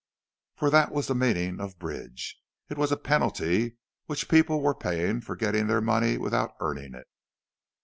For that was the meaning of bridge; it was a penalty which people were paying for getting their money without earning it.